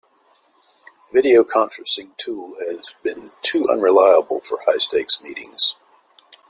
The video conferencing tool had been too unreliable for high-stakes meetings.